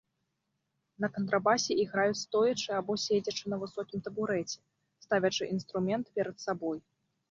На кантрабасе іграюць стоячы або седзячы на высокім табурэце, ставячы інструмент перад сабой.